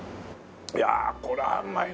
いやあこれはうまいな！